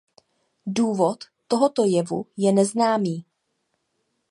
Důvod tohoto jevu je neznámý.